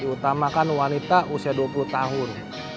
diutamakan wanita usia dua puluh tahun